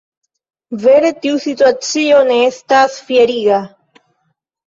Vere tiu situacio ne estas fieriga.